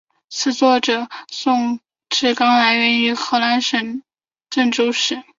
词作者宋志刚来自河南省郑州市。